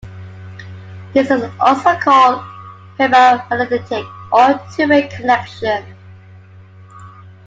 This is also called hermaphroditic or two-way connection.